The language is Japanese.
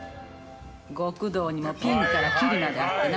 極道にもピンからキリまであってな。